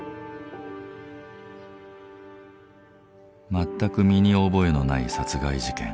全く身に覚えのない殺害事件。